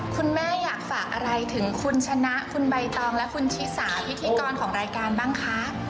คุณแม่อยากฝากอะไรถึงคุณชนะคุณใบตองและคุณชิสาพิธีกรของรายการบ้างคะ